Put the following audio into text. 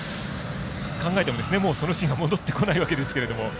考えても、そのシーンは戻ってこないわけですが。